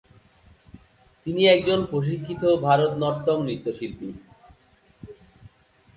তিনি একজন প্রশিক্ষিত ভারতনাট্যম নৃত্যশিল্পী।